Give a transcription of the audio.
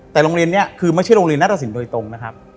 แต่โรงเรียนนี้คือไม่ใช่โรงเรียนนัตรสินโดยตรงนะครับ